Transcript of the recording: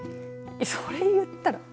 それを言ったら。